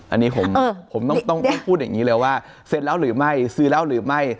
อันนี้ผมต้องพูดอย่างนี้เลยว่าเสร็จแล้วหรือไม่ซื้อแล้วหรือไม่